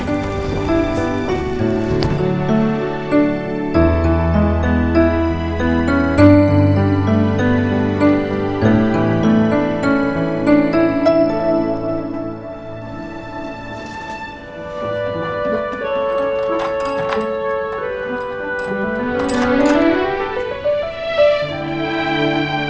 aku siapin sarapan ya